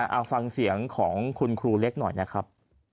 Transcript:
เอาฟังเสียงของคุณครูเล็กหน่อยนะครับ